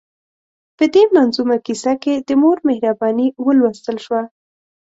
په دې منظومه کیسه کې د مور مهرباني ولوستل شوه.